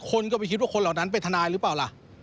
คนก็ไปคิดว่าคนเหล่านั้นเป็นทนายหรือเปล่าล่ะ